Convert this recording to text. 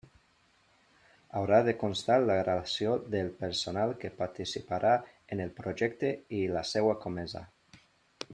Haurà de constar la relació del personal que participarà en el projecte i la seua comesa.